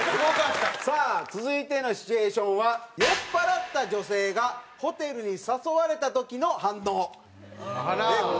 さあ続いてのシチュエーションは酔っ払った女性がホテルに誘われた時の反応。